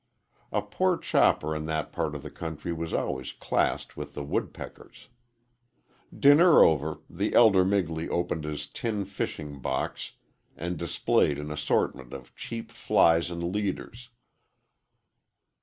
A poor chopper in that part of the country was always classed with the woodpeckers. Dinner over, the elder Migley opened his tin fishing box and displayed an assortment of cheap flies and leaders.